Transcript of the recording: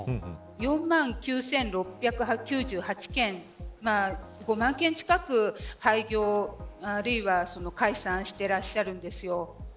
４万９６９８件５万件近く廃業をあるいは解散していらっしゃるんですよ。